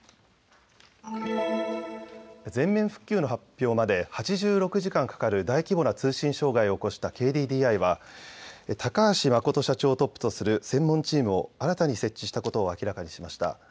全面復旧の発表まで８６時間かかる大規模な通信障害を起こしたＫＤＤＩは高橋誠社長をトップとする専門チームを新たに設置したことを明らかにしました。